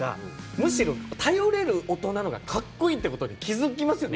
むしろ、頼れる大人の方がかっこいいってことに気付きますよね。